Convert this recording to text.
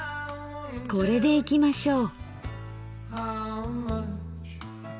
これでいきましょう。